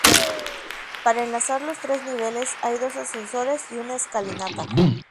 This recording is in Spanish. Para enlazar los tres niveles hay dos ascensores y una escalinata.